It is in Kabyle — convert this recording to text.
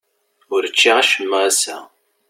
Ur ččiɣ acemma ass-a.